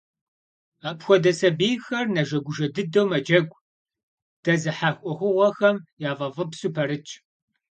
Апхуэдэ сабийхэр нэжэгужэ дыдэу мэджэгу, дэзыхьэх Ӏуэхугъуэхэм яфӀэфӀыпсу пэрытщ.